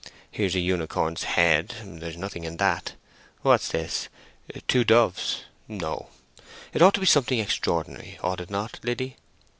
Here's a unicorn's head—there's nothing in that. What's this?—two doves—no. It ought to be something extraordinary, ought it not, Liddy?